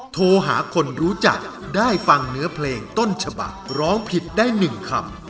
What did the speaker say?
โทรหาคนรู้จักได้ฟังเนื้อเพลงต้นฉบักร้องผิดได้๑คำ